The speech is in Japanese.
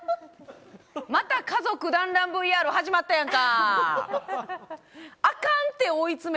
また家族団らんＶＲ始まったやんか！